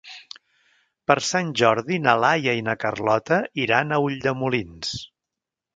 Per Sant Jordi na Laia i na Carlota iran a Ulldemolins.